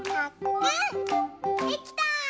できた！